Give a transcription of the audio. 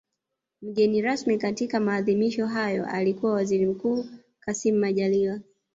Mgeni rasmi katika maadhimisho hayo alikuwa Waziri Mkuu Kassim Majaliwa